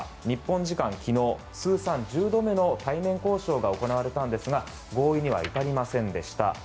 日本時間昨日、通算１０度目の対面交渉が行われたんですが合意には至りませんでした。